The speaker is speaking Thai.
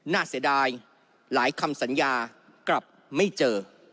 เสียดายหลายคำสัญญากลับไม่เจอ